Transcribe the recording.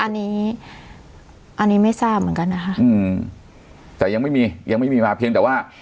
อันนี้อันนี้ไม่ทราบเหมือนกันนะคะอืมแต่ยังไม่มียังไม่มีมาเพียงแต่ว่า